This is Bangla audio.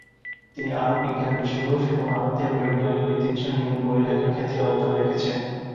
তিনি আরব বিজ্ঞান বিশ্বকোষ এবং আরবদের বৈজ্ঞানিক ঐতিহ্য নিয়ে বই লেখার ক্ষেত্রে অবদান রেখেছেন।